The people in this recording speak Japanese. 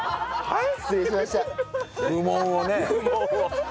はい。